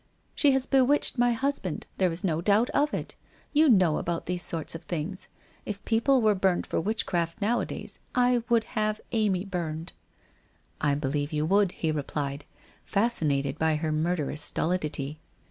' She has bewitched my husband. There is no doubt of it. You know about those sort of things. If people were burned for witchcraft nowadays, I would have Amy burned.' ' I believe you would,' he replied, fascinated by her murderous stolidity.